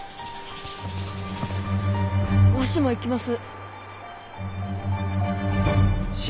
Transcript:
わしも行きます。